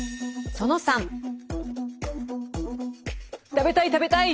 食べたい食べたい！